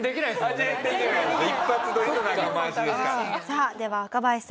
さあでは若林さん